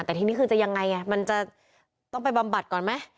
แต่ทีนี้คือจะยังไงมันจะต้องไปบำบัดก่อนไหม